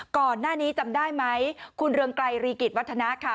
ก่อนหน้านี้จำได้ไหมคุณเรืองไกรรีกิจวัฒนะค่ะ